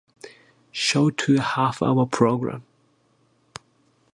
Show to a half-hour program.